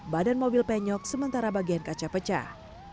badan mobil penyok sementara bagian kaca pecah